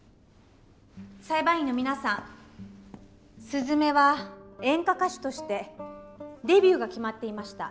すずめは演歌歌手としてデビューが決まっていました。